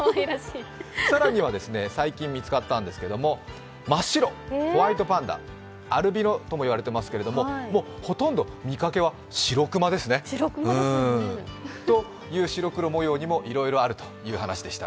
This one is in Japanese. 更には最近見つかったんですけれども真っ白、ホワイトパンダ、アルビノとも言われていますがほとんど見かけはシロクマですね。という白黒模様にもいろいろあるという話でした。